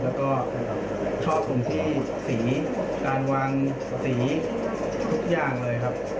แล้วก็ชอบตรงที่สีการวางสีทุกอย่างเลยครับ